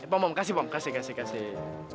pom pom kasih pom kasih kasih kasih